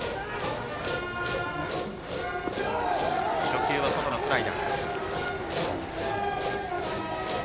初球は外のスライダー。